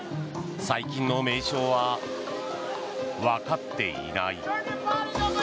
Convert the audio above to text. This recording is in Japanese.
細菌の名称はわかっていない。